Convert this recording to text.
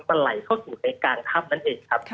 มันไหลเข้าสู่ในกลางถ้ำนั่นเองครับ